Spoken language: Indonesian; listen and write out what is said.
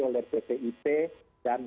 oleh ppip dan